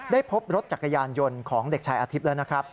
พบรถจักรยานยนต์ของเด็กชายอาทิตย์แล้วนะครับ